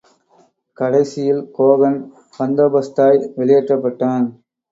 கடைசியில் ஹோகன் பந்தோபஸ்தாய் வெளியேற்றப்பட்டான்.